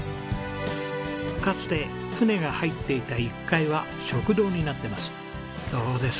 かつて船が入っていた１階は食堂になってます。